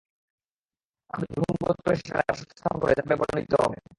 তারপর জুরহুম গোত্র এসে সেখানে বসতি স্থাপন করে যা পরে বর্ণিত হবে।